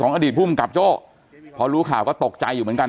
ของอดีตพูดมันกลับโจ๊กพอรู้ข่าวก็ตกจ้ายอยู่เหมือนกัน